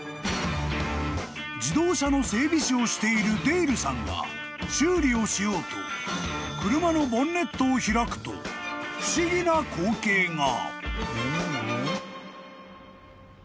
［自動車の整備士をしているデールさんが修理をしようと車のボンネットを開くと不思議な光景が］